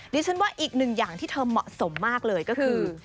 ดิฉันว่าอีกหนึ่งอย่างที่เธอเหมาะสมมากเลยก็คือ